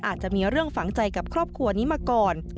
อาจจะมีเรื่องฝังใจกับครอบครัวนี้มาก่อน